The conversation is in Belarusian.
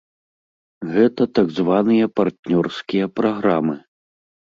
Гэта так званыя партнёрскія праграмы.